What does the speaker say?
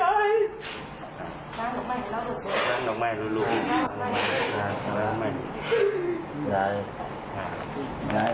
น้องแม่รู้รู้